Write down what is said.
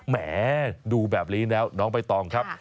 แหมดูแบบนี้แล้วน้องใบตองครับ